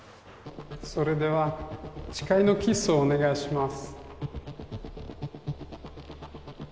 それでは誓いのキスをお願いします。